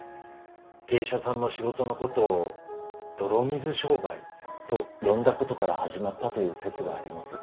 芸者さんの仕事のことを「泥水商売」と呼んだことから始まったという説があります。